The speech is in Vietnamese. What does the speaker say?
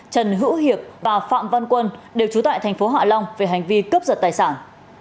trần hữu hiệp và phạm văn quân đều trú tại thành phố hạ long về hành vi cướp giật tài sản